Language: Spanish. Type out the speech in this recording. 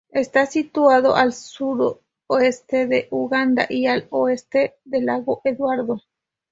Está situado al sudoeste de Uganda y al oeste del lago Eduardo.